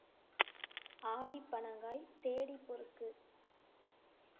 ஆடிப் பனங்காய் தேடிப் பொறுக்கு.